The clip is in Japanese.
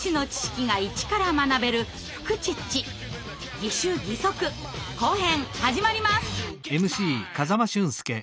「義手義足」後編始まります。